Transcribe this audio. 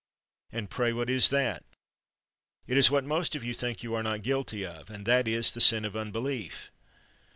And pray what is that? It is what most of you think you are not guilty of — and that is, the sin of unbelief.